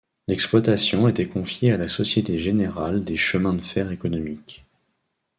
L'exploitation était confiée à la Société générale des chemins de fer économiques.